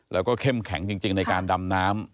แล้วก็เข้มแข็งจริงในการดำน้ำ